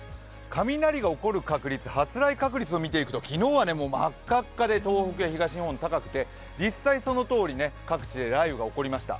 雷が起こる確率、発雷確率を見ていくと昨日は真っ赤っかで東北や東日本、高くて実際、そのとおり、雷雨が各地で起こりました。